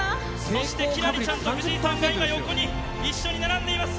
そして輝星ちゃんと藤井さんが今、横に一緒に並んでいます。